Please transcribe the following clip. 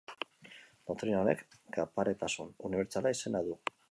Doktrina honek kaparetasun unibertsala izena du.